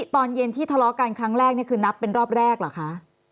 ตอนเย็นที่ทะเลาะกันครั้งแรกนี่คือนับเป็นรอบแรกเหรอคะ